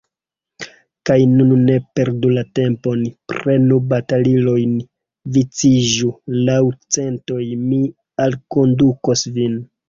Kaj nun ne perdu la tempon, prenu batalilojn, viciĝu laŭ centoj, mi alkondukos vin!